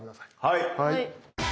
はい。